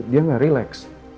dia nggak relax